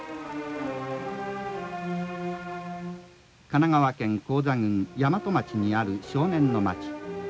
「神奈川県高座郡大和町にある少年の町。